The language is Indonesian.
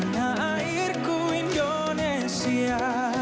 tanah airku indonesia